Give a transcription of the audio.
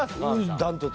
断トツ。